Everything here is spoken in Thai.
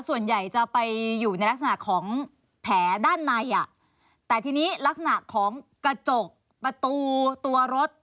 ส่วนใหญ่จะไปอยู่ในลักษณะของแผลด้านในอ่ะแต่ทีนี้ลักษณะของกระจกประตูตัวรถ